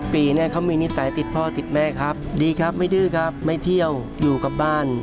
ปีเนี่ยเขามีนิสัยติดพ่อติดแม่ครับดีครับไม่ดื้อครับไม่เที่ยวอยู่กับบ้าน